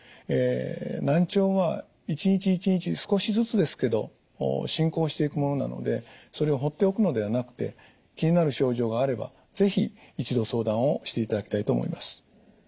難聴は一日一日少しずつですけど進行していくものなのでそれを放っておくのではなくて気になる症状があれば是非一度相談をしていただきたいと思います。